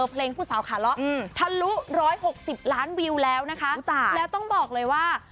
เพลงผู้สาวขาล้ออืมทะลุร้อยหกสิบล้านวิวแล้วนะคะแล้วต้องบอกเลยว่า